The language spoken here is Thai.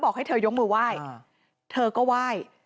เค้าก็ว่าย